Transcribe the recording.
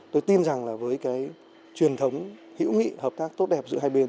tôi tin rằng là với cái truyền thống hữu nghị hợp tác tốt đẹp giữa hai bên